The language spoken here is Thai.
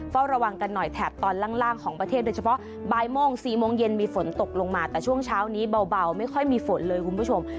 เฝ้าระวังกันหน่อยแถบตอนล่างของประเทศโดยเฉพาะบ่ายโมง๔โมงเย็นมีฝนตกลงมาแต่ช่วงเช้านี้เบาไม่ค่อยมีฝนเลยคุณผู้ชม